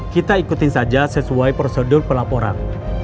kita ikutin saja sesuai prosedur pelaporan